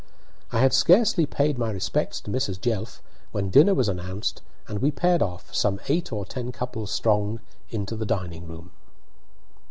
I had scarcely paid my respects to Mrs. Jelf when dinner was announced, and we paired off, some eight or ten couples strong, into the dining room.